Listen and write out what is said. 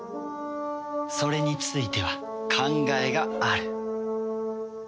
それについては考えがある。